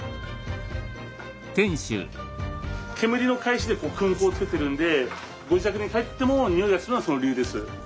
煙のかえしで薫香をつけてるのでご自宅に帰ってもにおいがするのはその理由です。